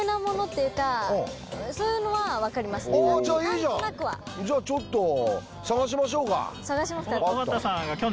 だいたいこの辺。じゃあいいじゃん！じゃあちょっと探しましょうか。